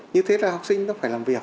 như thế là học sinh nó phải làm việc